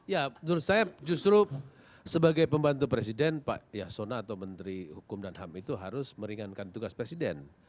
ya menurut saya justru sebagai pembantu presiden pak yasona atau menteri hukum dan ham itu harus meringankan tugas presiden